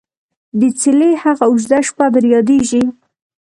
دڅيلې هغه او ژده شپه در ياديژي ?